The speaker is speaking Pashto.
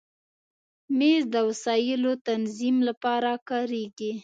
مېز د وسایلو تنظیم لپاره کارېږي.